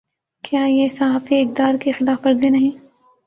کیا یہ صحافی اقدار کی خلاف ورزی نہیں۔